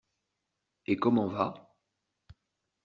Et comment va?